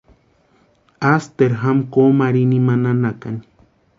Asteru jáma kómu arhini imani nanakani.